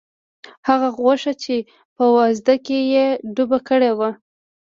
هغه غوښه چې په وازده کې یې ډوبه کړې وه.